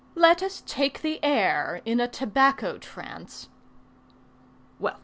Let us take the air, in a tobacco trance Well!